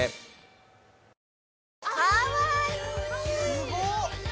すごっ！